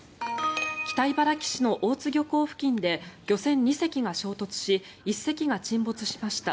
北茨城市の大津漁港付近で漁船２隻が衝突し１隻が沈没しました。